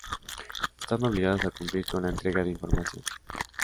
Están obligados a cumplir con la entrega de información.